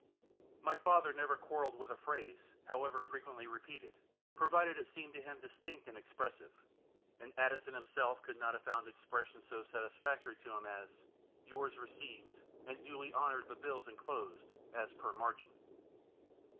My father never quarrelled with a phrase, however frequently repeated, provided it seemed to him distinct and expressive; and Addison himself could not have found expressions so satisfactory to him as, "Yours received, and duly honoured the bills enclosed, as per margin."